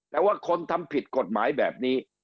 แต่ว่าคนทำผิดกฎหมายแบบนี้